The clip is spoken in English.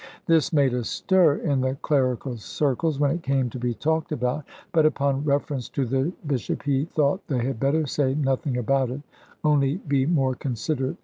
This made a stir in the clerical circles, when it came to be talked about; but upon reference to the bishop, he thought they had better say nothing about it, only be more considerate.